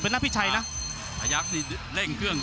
ภูตวรรณสิทธิ์บุญมีน้ำเงิน